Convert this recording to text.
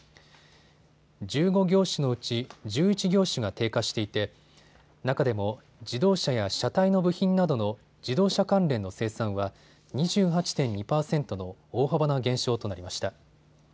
１５業種のうち１１業種が低下していて中でも自動車や車体の部品などの自動車関連の生産は２８．２％の大幅な減少となりました。